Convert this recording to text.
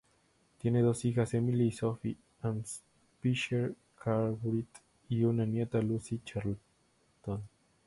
Tiene dos hijas, Emily y Sophie Hampshire Cartwright, y una nieta, Lucy Charlton.